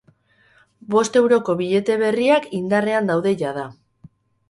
Bost euroko billete berriak indarrean daude jada.